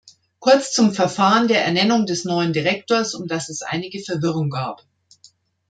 Kurz zum Verfahren der Ernennung des neuen Direktors, um das es einige Verwirrung gab.